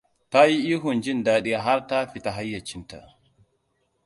Ta yi ihun jin daɗi har ta fita hayyacinta.